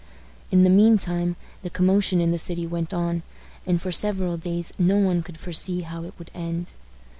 In the mean time the commotion in the city went on, and for several days no one could foresee how it would end.